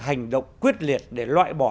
hành động quyết liệt để loại bỏ